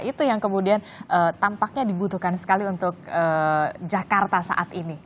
itu yang kemudian tampaknya dibutuhkan sekali untuk jakarta saat ini